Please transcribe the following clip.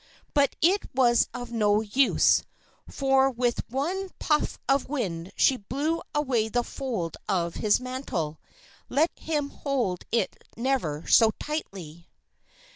But it was of no use, for with one puff of wind she blew away the fold of his mantle, let him hold it never so tightly.